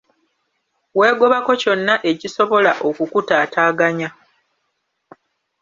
Weegobako kyonna ekisobola okukutaataganya.